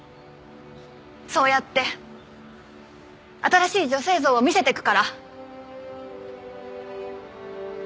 そうやって新しい女性像を見せていくから。